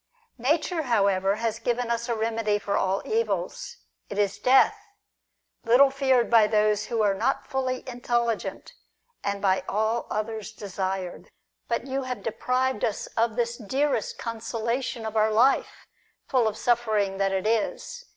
N'ature, however, has given us a remedy for all evils. It is death, little feared by those who are not fully intelligent, and by all others desired. " But you have deprived us of this dearest consolation of our life, full of suffering that it is.